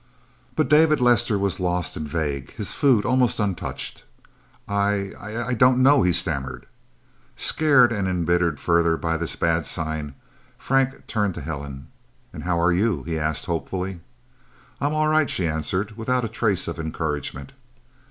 But David Lester was lost and vague, his food almost untouched. "I I don't know!" he stammered. Scared and embittered further by this bad sign, Frank turned to Helen. "And how are you?" he asked hopefully. "I am all right," she answered, without a trace of encouragement.